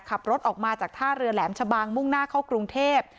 ขับรถออกมาจากท่าเรือแหลมชะบังมุ่งหน้าเข้ากรุงเทพ